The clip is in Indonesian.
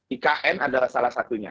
ikn adalah salah satunya